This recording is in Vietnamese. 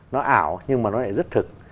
nó ảo nhưng mà nó lại rất thực